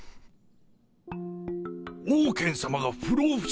オウケン様が不老不死に？